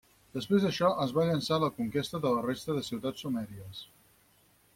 Després d'això es va llançar a la conquesta de la resta de ciutats sumèries.